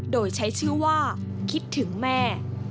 โดยใช้ชื่อว่าคิดถึงแม่